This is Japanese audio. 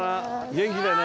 元気でね。